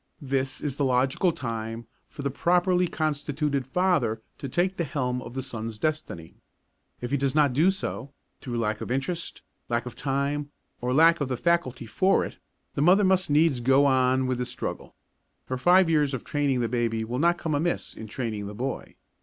This is the logical time for the properly constituted father to take the helm of the son's destiny. If he does not do so, through lack of interest, lack of time or lack of the faculty for it, the mother must needs go on with the struggle. Her five years of training the baby will not come amiss in training the boy.